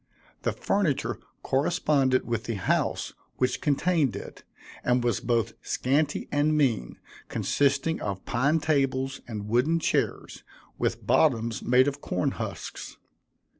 The furniture corresponded with the house which contained it, and was both scanty and mean, consisting of pine tables and wooden chairs, with bottoms made of cornhusks.